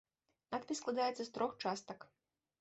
Надпіс складаецца з трох частак.